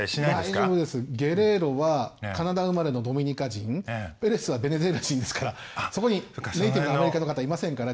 大丈夫ですゲレーロはカナダ生まれのドミニカ人ペレスはベネズエラ人ですからそこにネイティブのアメリカの方いませんから。